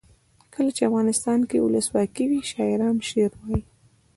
کله چې افغانستان کې ولسواکي وي شاعران شعر وايي.